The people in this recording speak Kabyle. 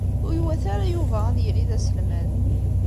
Ur iwata ara Yuba ad yili d aselmad.